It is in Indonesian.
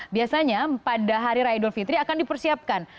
biasanya pada hari raya idul fitri akan dipersiapkan